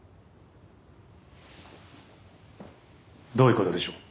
どういう事でしょう？